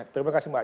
terima kasih mbak